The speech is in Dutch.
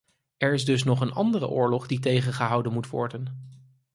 Er is dus nog een andere oorlog die tegengehouden moet worden.